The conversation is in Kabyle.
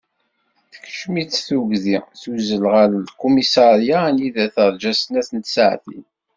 Tekcem-itt tugdi, tuzzel ɣer lkumisarya anida terǧa snat n tsaɛtin.